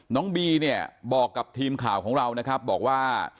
น้องบีบอกกับทีมข่าวของเราว่า